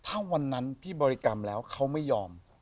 ถ้าวันนั้นพี่บริกรรมแล้วเขาไม่ยอม